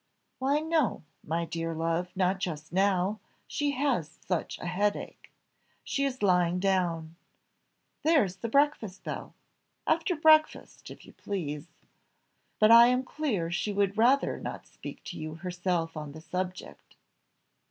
"Why no, my dear love, not just now, she has such a headache! She is lying down. There is the breakfast bell after breakfast, if you please. But I am clear she would rather not speak to you herself on the subject."